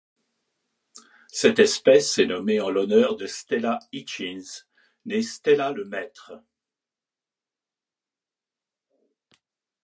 Cette espèce est nommée en l'honneur de Stella Hitchins, née Stella Le Maitre.